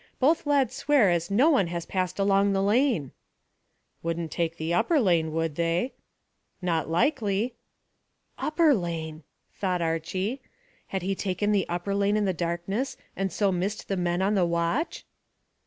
Both lads swear as no one has passed along the lane." "Wouldn't take the upper lane, would they?" "Not likely." "Upper lane!" thought Archy. Had he taken the upper lane in the darkness, and so missed the men on the watch?